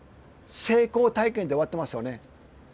成功体験で終わってますよね。